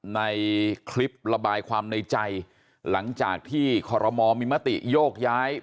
ในคลิประบายความในใจหลังจากที่คอรมอลมีมติโยกย้าย